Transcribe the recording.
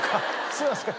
すいません。